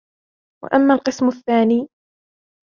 وَأَمَّا الْقِسْمُ الثَّانِي